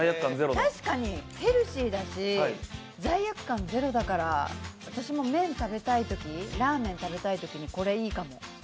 確かにヘルシーだし、罪悪感ゼロだから、私も麺食べたいとき、ラーメン食べたいときにこれいいかも。